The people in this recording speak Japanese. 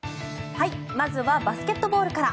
まずはバスケットボールから。